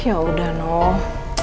ya udah noh